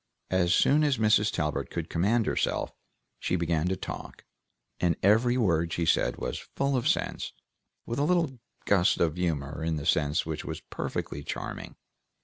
As soon as Mrs. Talbert could command herself, she began to talk, and every word she said was full of sense, with a little gust of humor in the sense which was perfectly charming.